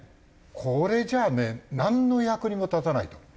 これじゃあねなんの役にも立たないと思う。